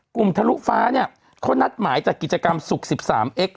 กลุ่มทะลุฟ้าเนี้ยเค้านัดหมายจากกิจกรรมสุขสิบสามเอ็กซ์